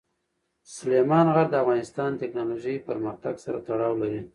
سلیمان غر د افغانستان د تکنالوژۍ پرمختګ سره تړاو لري.